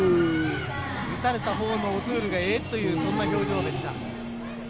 打たれたほうのオトゥールがえ！というそんなような表情でした。